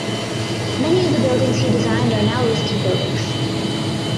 Many of the buildings he designed are now listed buildings.